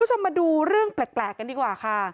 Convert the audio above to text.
คุณผู้ชมมาดูเรื่องแปลกกันดีกว่าค่ะ